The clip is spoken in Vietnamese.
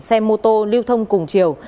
xe mô tô lưu thông cùng chiều